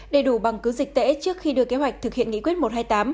đầy đủ bằng cứ dịch tễ trước khi đưa kế hoạch thực hiện nghị quyết một trăm hai mươi tám